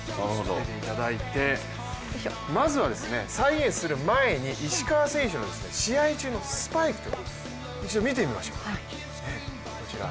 まずは再現する前に石川選手の試合中のスパイクというのを一度、見てみましょうか。